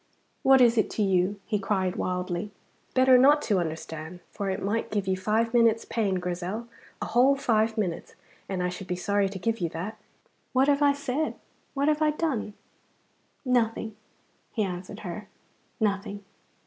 What is it to you!" he cried wildly. "Better not to understand, for it might give you five minutes' pain, Grizel, a whole five minutes, and I should be sorry to give you that." "What have I said! What have I done!" "Nothing," he answered her, "nothing.